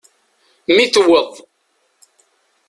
Mi tewweḍ.